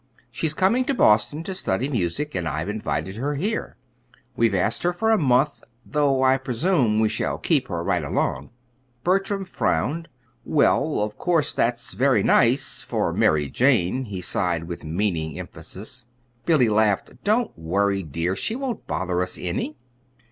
She's coming to Boston to study music, and I've invited her here. We've asked her for a month, though I presume we shall keep her right along." Bertram frowned. "Well, of course, that's very nice for Mary Jane," he sighed with meaning emphasis. Billy laughed. "Don't worry, dear. She won't bother us any."